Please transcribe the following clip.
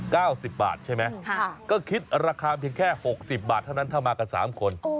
สิบบาทใช่ไหมค่ะก็คิดราคาเพียงแค่หกสิบบาทเท่านั้นถ้ามากันสามคน